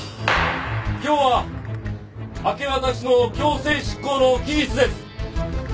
今日は明け渡しの強制執行の期日です。